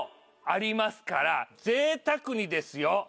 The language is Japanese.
３ｋｇありますからぜいたくにですよはい。